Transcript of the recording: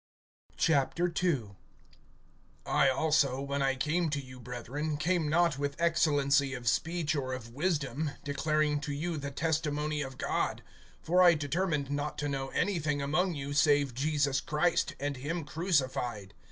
II. I ALSO, when I came to you, brethren, came not with excellency of speech or of wisdom, declaring to you the testimony of God. (2)For I determined not to know anything among you, save Jesus Christ, and him crucified.